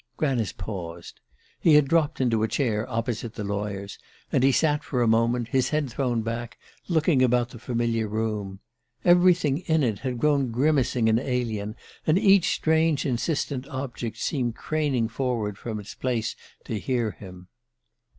Granice paused. He had dropped into a chair opposite the lawyer's, and he sat for a moment, his head thrown back, looking about the familiar room. Everything in it had grown grimacing and alien, and each strange insistent object seemed craning forward from its place to hear him.